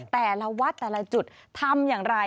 แต่ละวัดแต่ละจุดทำอย่างไร